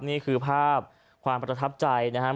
นี่คือภาพความประทับใจนะครับ